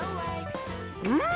うん！